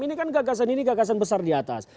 ini kan gagasan ini gagasan besar di atas